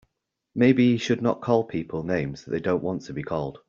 Maybe he should not call people names that they don't want to be called.